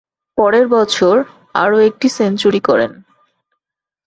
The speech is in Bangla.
পরের বছর আরও একটি সেঞ্চুরি করেন।